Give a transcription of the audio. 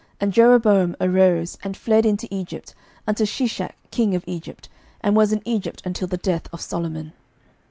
And Jeroboam arose, and fled into Egypt, unto Shishak king of Egypt, and was in Egypt until the death of Solomon.